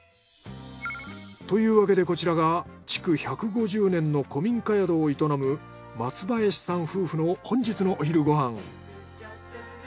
というわけでこちらが築１５０年の古民家宿を営む松林さん夫婦の本日のお昼ご飯。